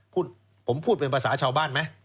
พูดผมพูดเป็นภาษาชาวบ้านไหม